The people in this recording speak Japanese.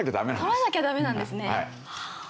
とらなきゃダメなんですね。